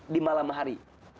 di malam hari